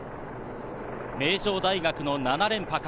名城大学の７連覇か？